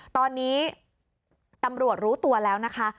ตอนนี้ตำรวจรู้ตัวแล้วนะคะ